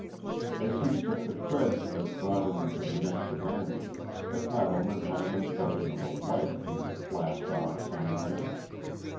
As he took the treads that brought him to the next landing the cattleman had an impression of a light being flashed off somewhere.